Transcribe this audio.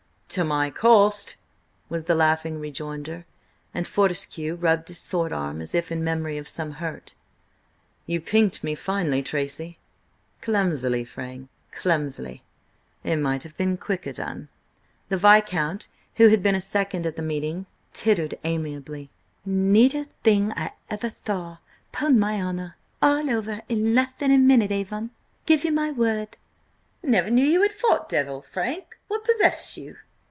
"To my cost!" was the laughing rejoinder, and Fortescue rubbed his sword arm as if in memory of some hurt. "You pinked me finely, Tracy!" "Clumsily, Frank, clumsily. It might have been quicker done." The Viscount, who had been a second at the meeting, tittered amiably. "Neatetht thing I ever thaw, 'pon my honour. All over in leth than a minute, Avon! Give you my word!" "Never knew you had fought Devil, Frank? What possessed you?"